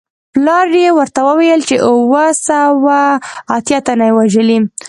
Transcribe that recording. پلار یې ورته وویل چې اووه سوه اتیا تنه یې وژلي.